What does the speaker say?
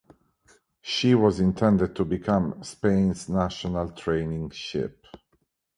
She was intended to become Spain's national training ship.